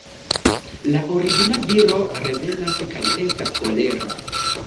La origina viro revenas kaj estas kolera.